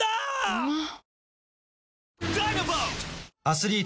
うまっ！！